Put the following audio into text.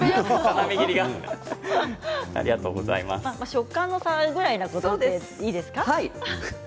食感の差ぐらいということでいいですか。